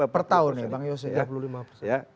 pertahun ya bang yose